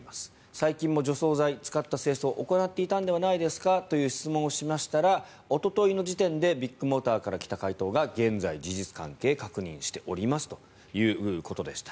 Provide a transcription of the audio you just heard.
最近も除草剤使った清掃行っていたんではないですかという質問をしましたらおとといの時点でビッグモーターから来た回答は現在、事実関係を確認しておりますということでした。